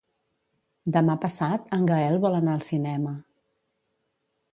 Demà passat en Gaël vol anar al cinema.